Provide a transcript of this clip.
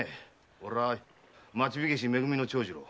俺は町火消し・め組の長次郎。